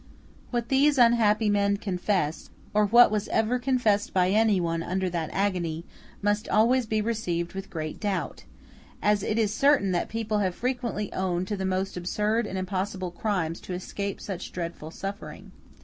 What these unhappy men confessed, or what was ever confessed by any one under that agony, must always be received with great doubt, as it is certain that people have frequently owned to the most absurd and impossible crimes to escape such dreadful suffering.